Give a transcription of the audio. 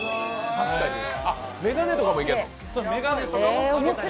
眼鏡とかもいけるの？